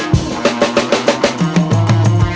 nggak ada yang denger